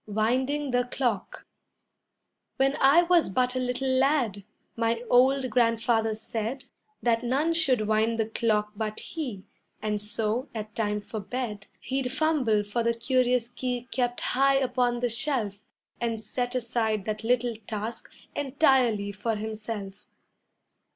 WINDING THE CLOCK When I was but a little lad, my old Grandfather said That none should wind the clock but he, and so, at time for bed, He'd fumble for the curious key kept high upon the shelf And set aside that little task entirely for himself.